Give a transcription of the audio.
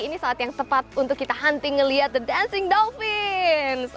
ini saat yang tepat untuk kita hunting melihat the dancing dalvin